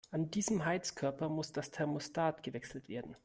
An diesem Heizkörper muss das Thermostat gewechselt werden.